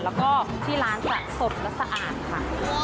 แล้วก็ที่ร้านจะสดและสะอาดค่ะ